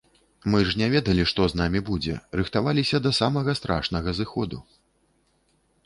Мы ж не ведалі што з намі будзе, рыхтаваліся да самага страшнага зыходу.